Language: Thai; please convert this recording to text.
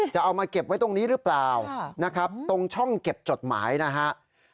จะเอามาเก็บไว้ตรงนี้หรือเปล่านะครับตรงช่องเก็บจดหมายนะครับ